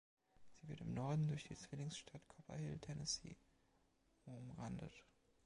Sie wird im Norden durch die Zwillingsstadt Copperhill, Tennessee, umrandet.